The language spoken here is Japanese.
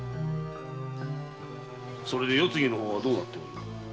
それで世継ぎの方はどうなっている？